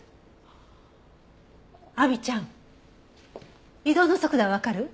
亜美ちゃん移動の速度はわかる？